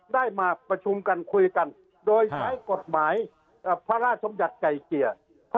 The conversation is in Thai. ได้มาประชุมกันคุยกันโดยใช้กฎหมายพระราชบัญญัติไก่เกลี่ย